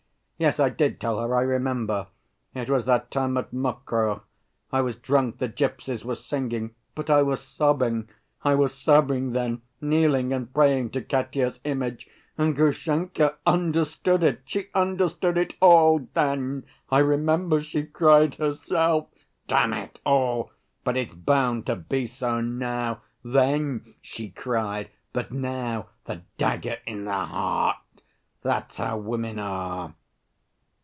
Yes, I did tell her, I remember! It was that time at Mokroe. I was drunk, the gypsies were singing.... But I was sobbing. I was sobbing then, kneeling and praying to Katya's image, and Grushenka understood it. She understood it all then. I remember, she cried herself.... Damn it all! But it's bound to be so now.... Then she cried, but now 'the dagger in the heart'! That's how women are."